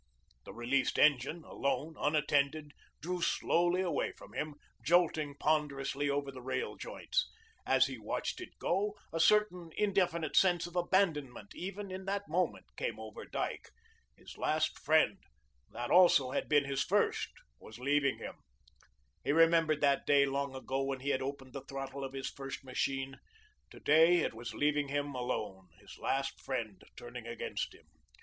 The released engine, alone, unattended, drew slowly away from him, jolting ponderously over the rail joints. As he watched it go, a certain indefinite sense of abandonment, even in that moment, came over Dyke. His last friend, that also had been his first, was leaving him. He remembered that day, long ago, when he had opened the throttle of his first machine. To day, it was leaving him alone, his last friend turning against him.